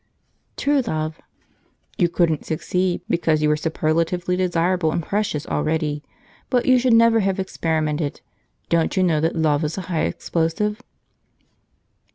True Love. "You couldn't succeed because you were superlatively desirable and precious already; but you should never have experimented. Don't you know that Love is a high explosive?"